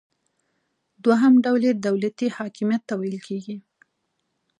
دوهم ډول یې دولتي حاکمیت ته ویل کیږي.